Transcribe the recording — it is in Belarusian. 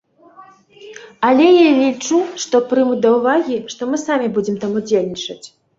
Але я лічу, што прымуць да ўвагі, што мы самі будзем там удзельнічаць.